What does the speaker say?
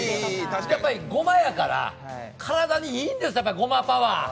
やっぱりごまやから、体にいいんです、ごまパワー。